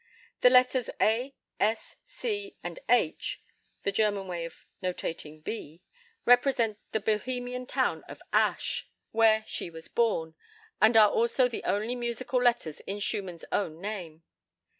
The letters A, S, C, and H (the German way of notating B) represent the Bohemian town of Asch, where she was born, and are also the only musical letters in Schumann's own name.